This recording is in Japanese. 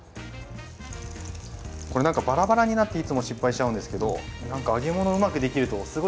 これなんかバラバラになっていつも失敗しちゃうんですけどなんか揚げ物うまくできるとすごい自分に自信がつきそうです。